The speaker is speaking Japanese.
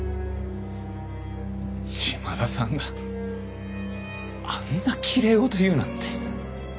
島田さんがあんなきれい事言うなんて。